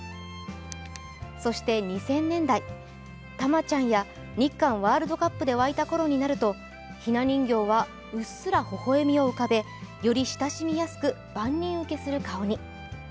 そして２０００年代、タマちゃんや日韓ワールドカップで沸いた頃になるとひな人形はうっすら微笑みを浮かべ、より親しみやすく、万人受けする顔に。